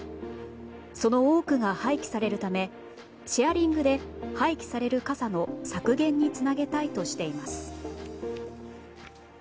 その多くが廃棄されるためシェアリングで廃棄される傘の削減につなげたいとしています。